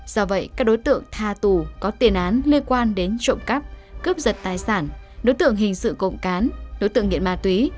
do vậy các đối tượng tha tù có tiền án liên quan đến trộm cắp cướp giật tài sản đối tượng hình sự cộng cán đối tượng nghiện ma túy